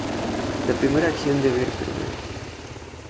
La primera acción debe ir primero.